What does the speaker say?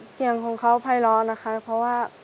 เสียงของเขาภัยร้อนนะคะเพราะว่า